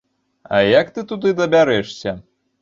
А як ты туды дабярэшся?